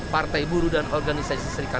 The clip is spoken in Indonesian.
partai buruh dan organisasi serikat